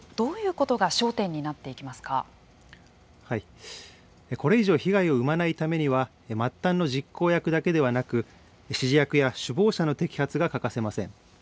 これ以上被害を生まないためには末端の実行役だけではなく指示役や首謀者の摘発が欠かせません。